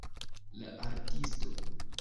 La artisto